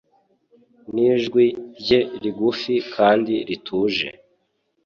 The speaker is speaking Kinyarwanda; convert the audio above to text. Nijwi rye rigufi kandi rituje